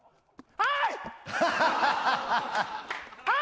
はい！